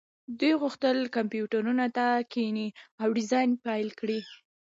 دوی غوښتل کمپیوټرونو ته کښیني او ډیزاین پیل کړي